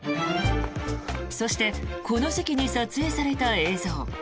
そしてこの時期に撮影された映像。